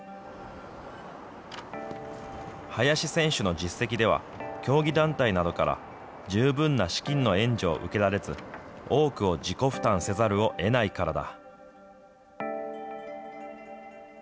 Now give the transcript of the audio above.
林選手の実績では、競技団体などから、十分な資金の援助を受けられず、多くを自己負担せざるをえないからだ。